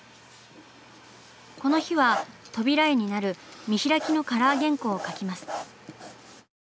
この日は扉絵になる見開きのカラー原稿を描きます。